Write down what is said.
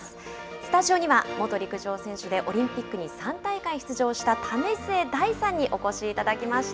スタジオには元陸上選手でオリンピックに３大会出場した為末大さんにお越しいただきました。